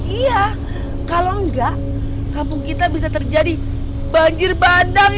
iya kalau enggak kampung kita bisa terjadi banjir bandang